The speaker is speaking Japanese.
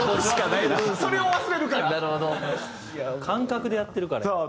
感覚でやってるから。